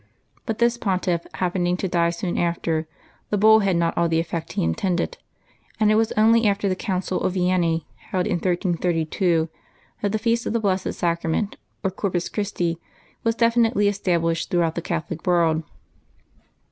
But this pontiff happening to die soon after, the Bull had not all the effect intended, and it was only after the Council of Vienna, held in 1332, that the feast of the Blessed Sacrament, or Corpus Christi, was definitively established throughout the Catholic world.